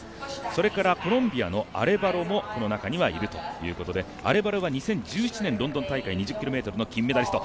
それからコロンビアのアレバロもこの中にいるということでアレバロが２０１７年ロンドン大会、２０ｋｍのメダリスト。